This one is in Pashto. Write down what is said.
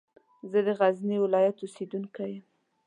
زه د غزني ولایت اوسېدونکی یم.